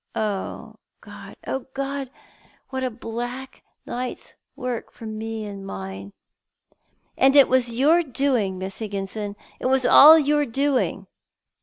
Oh, God! oh, God! what a black night's work for me and mine ! And it was your doing, Miss Iligginson ; it was all your doing."